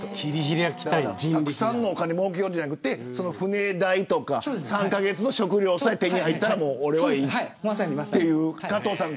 たくさんのお金をもうけようじゃなくて、船代とか３カ月の食料が手に入ったら俺はいいという、加藤さん。